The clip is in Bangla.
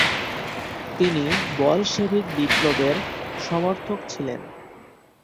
তিনি বলশেভিক বিপ্লবের সমর্থক ছিলেন।